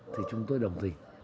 thì chúng tôi đồng tình